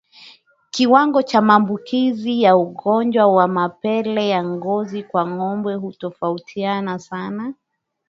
Kiwango cha maambukizi ya ugonjwa wa mapele ya ngozi kwa ngombe hutofautiana sana